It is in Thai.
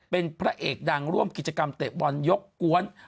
เป็นพระเอกดังร่วมกิจกรรมเตะบอลยกกวน